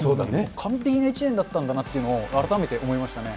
完璧な１年だったんだなっていうのを、改めて思いましたね。